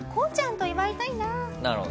なるほど。